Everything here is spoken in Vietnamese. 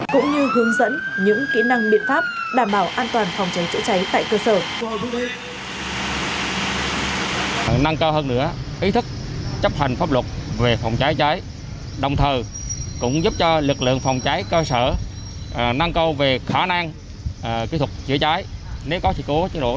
cũng như hướng dẫn những kỹ năng biện pháp đảm bảo an toàn phòng cháy chữa cháy tại cơ sở